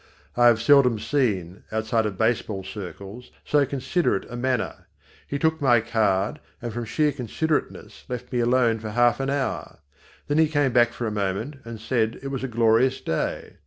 I have seldom seen, outside of baseball circles, so considerate a manner. He took my card, and from sheer considerateness left me alone for half an hour. Then he came back for a moment and said it was a glorious day.